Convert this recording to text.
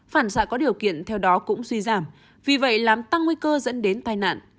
phản xạ có điều kiện theo đó cũng suy giảm vì vậy làm tăng nguy cơ dẫn đến tai nạn